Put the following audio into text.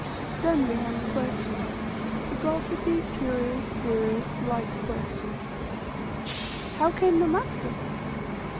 Then began the questions, the gossipy, curious, serious, light questions: "How came the master?